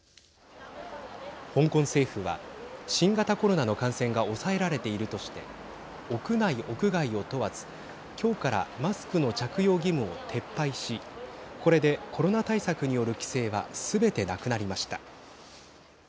香港政府は新型コロナの感染が抑えられているとして屋内・屋外を問わず今日からマスクの着用義務を撤廃しこれでコロナ対策による規制はすべてなくなりました。